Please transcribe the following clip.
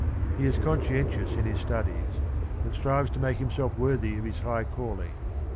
He is conscientious in his studies, and strives to make himself worthy of his high calling.